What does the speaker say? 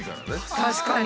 確かに！